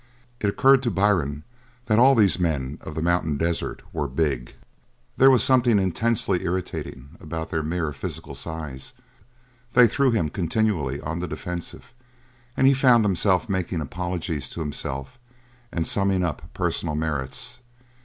It occurred to Byrne that all these men of the mountain desert were big; there was something intensely irritating about their mere physical size; they threw him continually on the defensive and he found himself making apologies to himself and summing up personal merits.